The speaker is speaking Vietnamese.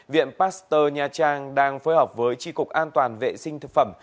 viện pasteur nha trang đang phối hợp với tri cục an toàn vệ sinh thực phẩm